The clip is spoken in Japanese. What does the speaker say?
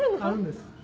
あるんです。